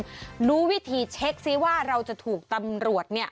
ย้ำให้คุณผู้ชมรู้วิธีเช็คซิว่าเราจะถูกตำรวจเนี่ย